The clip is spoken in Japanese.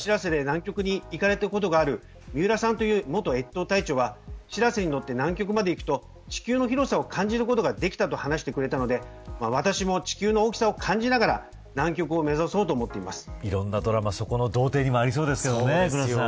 日本からしらせで南極に行かれたことがある三浦さんという元越冬隊長はしらせに乗って南極まで行くと地球の広さを感じることができたと話してくれたので、私も地球の大きさを感じながら南極を目指そうと思っています。